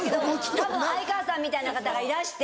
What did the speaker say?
たぶん哀川さんみたいな方がいらして。